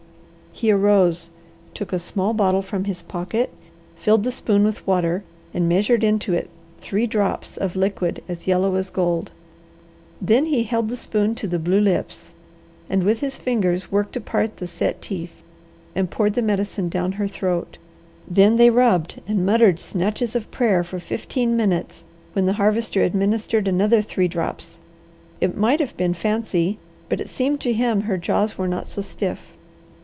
He arose, took a small bottle from his pocket, filled the spoon with water, and measured into it three drops of liquid as yellow as gold. Then he held the spoon to the blue lips, and with his fingers worked apart the set teeth, and poured the medicine down her throat. Then they rubbed and muttered snatches of prayer for fifteen minutes when the Harvester administered another three drops. It might have been fancy, but it seemed to him her jaws were not so stiff.